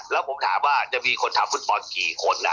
แล้วผมถามว่าจะมีคนทำฟุตบอลกี่คน